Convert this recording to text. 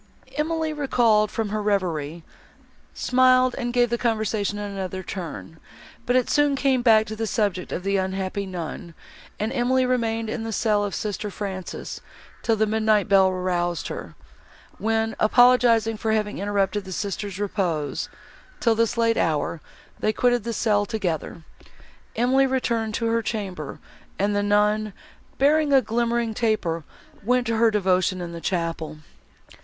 Emily, recalled from her reverie, smiled, and gave the conversation another turn, but it soon came back to the subject of the unhappy nun, and Emily remained in the cell of sister Frances, till the midnight bell aroused her; when, apologising for having interrupted the sister's repose, till this late hour, they quitted the cell together. Emily returned to her chamber, and the nun, bearing a glimmering taper, went to her devotion in the chapel.